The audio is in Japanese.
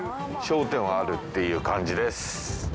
商店はあるっていう感じです。